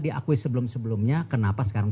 diakui sebelum sebelumnya kenapa sekarang